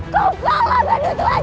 kau kalah badut tuhan